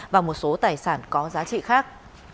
và một số tài sản có giá trị khác